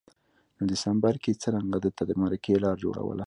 نو دسمبر کي یې څرنګه ده ته د مرکې لار جوړوله